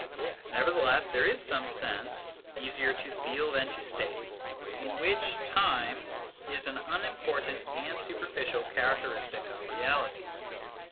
Nevertheless there is some sense easier to feel than to state in which time is an unimportant and superficial characteristic of reality.